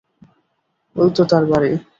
ওইতো তার বাড়ি!